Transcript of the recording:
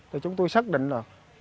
thì chúng tôi xác định là